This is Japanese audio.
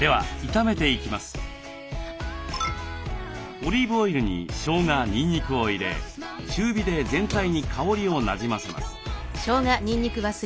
オリーブオイルにしょうがにんにくを入れ中火で全体に香りをなじませます。